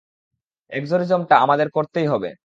এক্সোরসিজমটা আমাদের করতেই হবে!